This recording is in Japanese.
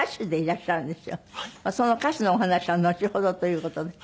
その歌手のお話はのちほどという事で。